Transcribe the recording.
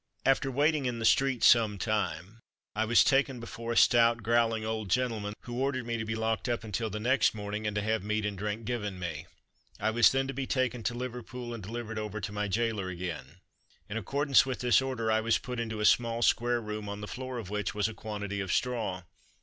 After waiting in the street some time I was taken before a stout, growling old gentleman, who ordered me to be locked up until the next morning, and to have meat and drink given me. I was then to be taken to Liverpool and delivered over to my gaoler again. In accordance with this order I was put into a small square room, on the floor of which was a quantity of straw.